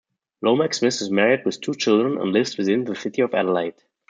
Lomax-Smith is married with two children, and lives within the City of Adelaide.